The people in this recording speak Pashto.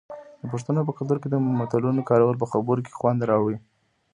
د پښتنو په کلتور کې د متلونو کارول په خبرو کې خوند راوړي.